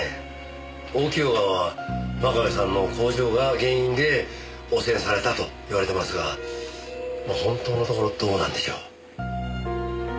大清川は真壁さんの工場が原因で汚染されたといわれてますが本当のところどうなんでしょう？